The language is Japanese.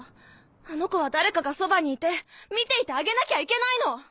あの子は誰かがそばにいて見ていてあげなきゃいけないの！